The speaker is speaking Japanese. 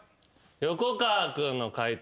横川君の解答